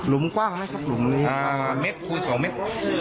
ลุงกว้างหรอครับลุงอ่าเม็ดคูณสองเม็ด